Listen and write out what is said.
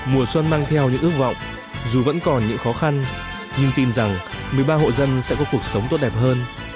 mùa xuân mang theo những ước vọng dù vẫn còn những khó khăn nhưng tin rằng một mươi ba hộ dân sẽ có cuộc sống tốt đẹp hơn